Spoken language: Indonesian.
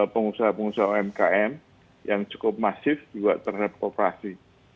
pengusaha pengusaha umkm yang cukup masif juga terhadap kooperasi